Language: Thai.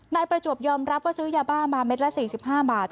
นายประจวบยอมรับว่าซื้อยาบ้ามาเม็ดละ๔๕บาท